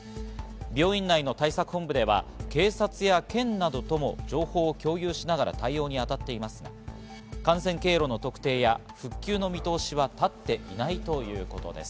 病院内の対策本部では警察や県などとも情報を共有しながら対応に当たっていますが、感染経路の特定や復旧の見通しは立っていないということです。